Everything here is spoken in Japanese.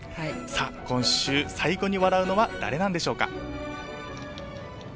今秋、最後に笑うのは誰なのでしょうか？